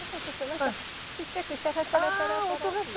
なんかちっちゃくシャラシャラシャラシャラっていう音が。